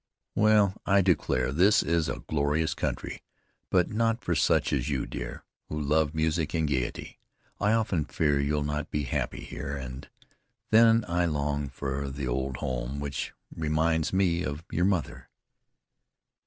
Well, I declare! This is a glorious country; but not for such as you, dear, who love music and gaiety. I often fear you'll not be happy here, and then I long for the old home, which reminds me of your mother."